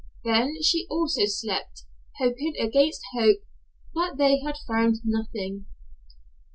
Then she also slept, hoping against hope, that they had found nothing.